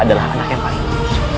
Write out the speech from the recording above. adalah anak yang paling